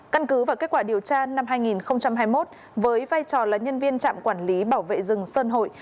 căn cứ và kết quả điều tra năm hai nghìn hai mươi một với vai trò là nhân viên trạm quản lý bảo vệ rừng sơn hội